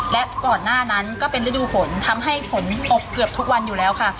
และก่อนหน้านั้นก็เป็นฤดูฝนทำให้ฝนตกเกือบทุกวันอยู่แล้วค่ะ